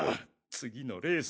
次のレース